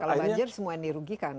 kalau banjir semua yang dirugikan